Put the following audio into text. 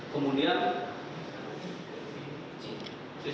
kemudian di sini